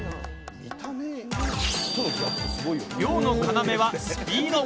漁の要はスピード。